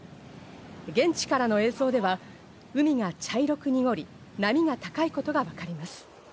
現地からの映像では、海が茶色く濁り、波が高いことが分かります。